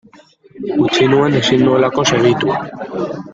Utzi nuen ezin nuelako segitu.